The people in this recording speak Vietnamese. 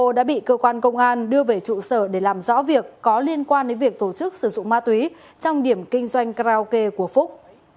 hồ đã bị cơ quan công an đưa về trụ sở để làm rõ việc có liên quan đến việc tổ chức sử dụng ma túy trong điểm kinh doanh karaoke của phúc